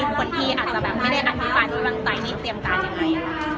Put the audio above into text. คนที่อาจจะไม่ได้อภิกษ์ปลายไม่ไว้วางใจนี่เตรียมการยังไง